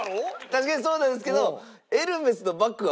確かにそうなんですけど。